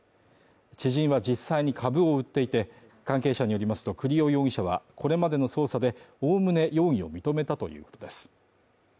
知人は実際に株を売っていて、関係者によりますと栗尾容疑者は、これまでの捜査で、おおむね容疑を認めたということです。